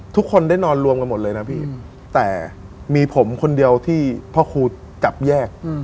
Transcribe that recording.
ทุกคนได้นอนรวมกันหมดเลยนะพี่แต่มีผมคนเดียวที่พ่อครูจับแยก